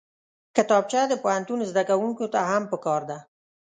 کتابچه د پوهنتون زدکوونکو ته هم پکار ده